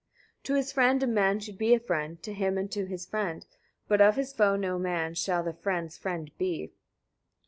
43. To his friend a man should be a friend; to him and to his friend; but of his foe no man shall the friend's friend be.